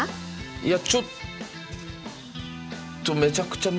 いやちょっとめちゃくちゃ難しいですね。